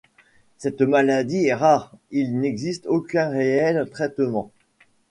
Cette maladie étant rare, il n'existe aucun réel traitement.